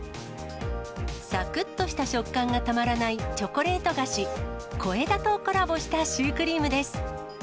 さくっとした食感がたまらないチョコレート菓子、小枝とコラボしたシュークリームです。